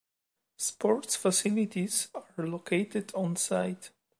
Sports facilities are located on site.